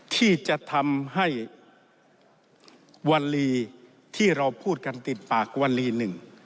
ที่จะทำให้วลีที่เราพูดกันติดปากวลีหนึ่ง